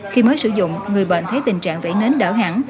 khi mới sử dụng người bệnh thấy tình trạng vẫy nến đỡ hạt